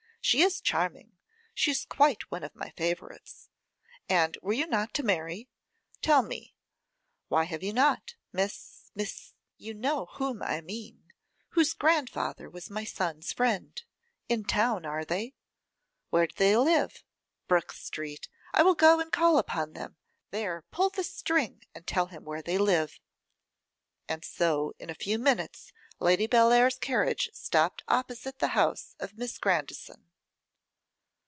She is charming; she is quite one of my favourites. And were not you to marry? Tell me, why have you not? Miss Miss you know whom I mean, whose grandfather was my son's friend. In town, are they? Where do they live? Brook street! I will go and call upon them. There, pull the string, and tell him where they live.' And so, in a few minutes, Lady Bellair's carriage stopped opposite the house of Miss Grandison.